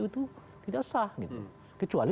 itu tidak sah gitu kecuali